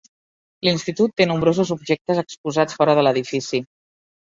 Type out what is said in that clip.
L'institut té nombrosos objectes exposats fora de l'edifici.